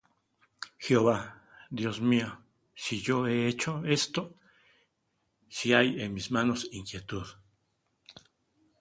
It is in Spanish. Jehová Dios mío, si yo he hecho esto, Si hay en mis manos iniquidad;